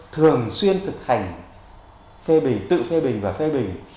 thường xuyên thực hành tự phê bình và phê bình